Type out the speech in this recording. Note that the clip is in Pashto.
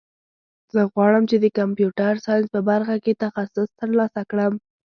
زه غواړم چې د کمپیوټر ساینس په برخه کې تخصص ترلاسه کړم